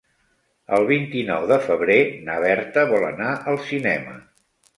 El vint-i-nou de febrer na Berta vol anar al cinema.